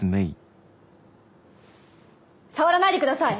触らないでください！